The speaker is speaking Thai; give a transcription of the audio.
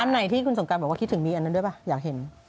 ไหนที่คุณสงการบอกว่าคิดถึงมีอันนั้นด้วยป่ะอยากเห็น